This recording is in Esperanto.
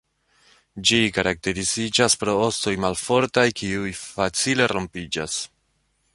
Ĝi karakteriziĝas pro ostoj malfortaj kiuj facile rompiĝas.